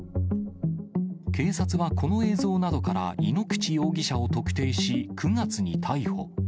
警察は、この映像などから井ノ口容疑者を特定し、９月に逮捕。